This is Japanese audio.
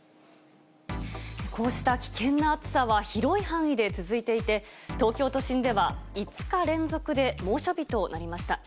こうした危険な暑さは広い範囲で続いていて、東京都心では５日連続で猛暑日となりました。